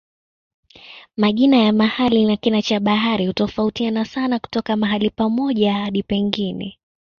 Majina ya mahali na kina cha habari hutofautiana sana kutoka mahali pamoja hadi pengine.